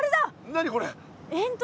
何これ？